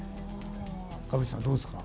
川淵さん、どうですか？